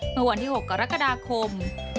เมื่อวันที่๖กรกฎาคม